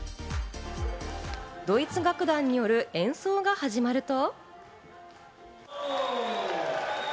ドイツ楽団による演奏が始まると。